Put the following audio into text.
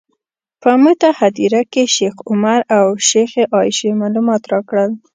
په موته هدیره کې شیخ عمر او شیخې عایشې معلومات راکړل.